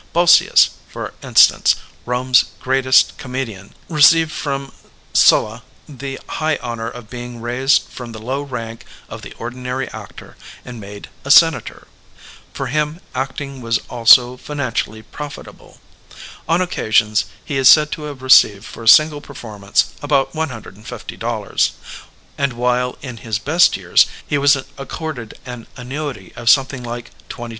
Boscius, for instance, Bome's greatest comedian, re ceived from Sulla the high honor of being raised from the low rank of the ordinary actor and made a senator. For him acting was also financially profit able. On occasions he is said to have received for a single performance about $150; and, while in his Digitized by Google 478 EVOLUTION OF THE ACTOR best years, he was accorded an annuity of some thing like $22,000.